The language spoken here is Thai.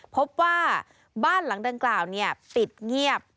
พบว่าบ้านหลังดังกล่าวปิดเงียบ